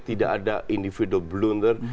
tidak ada individual blunder